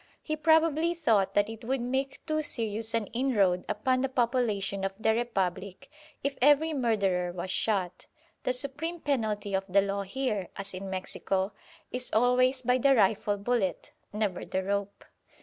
He probably thought that it would make too serious an inroad upon the population of the Republic if every murderer was shot. The supreme penalty of the law here, as in Mexico, is always by the rifle bullet, never the rope.